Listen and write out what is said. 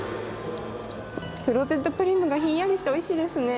クロテッドクリームがひんやりしておいしいですね。